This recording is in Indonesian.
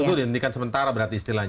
itu dihentikan sementara berarti istilahnya